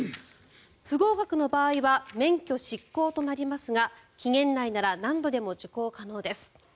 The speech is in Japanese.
不合格の場合は免許失効となりますが期限内なら何度でも受講可能です。